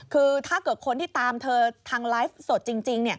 คือถ้าเกิดคนที่ตามเธอทางไลฟ์สดจริง